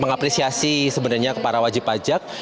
mengapresiasi sebenarnya para wajib pajak